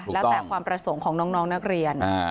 แล้วแต่ความประสงค์ของน้องนักเรียน